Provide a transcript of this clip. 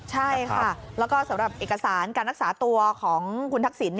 ใช่ค่ะแล้วก็สำหรับเอกสารการรักษาตัวของคุณทักษิณ